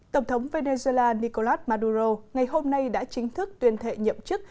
tổng thống venezuela nicolas maduro ngày hôm nay đã chính thức tuyên thệ nhậm chức